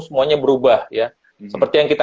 semuanya berubah ya seperti yang kita